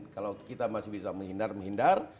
kalau kita masih bisa menghindar menghindar